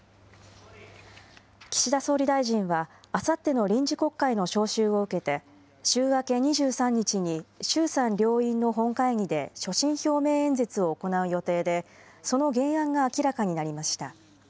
岸田総理大臣は、あさっての臨時国会の召集を受けて、週明け２３日に、衆参両院の本会議で所信表明演説を行う予定で、その原案が明らかになりました。